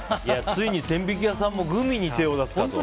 ついに千疋屋さんもグミに手を出すかと。